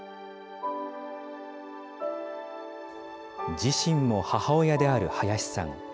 自身も母親である林さん。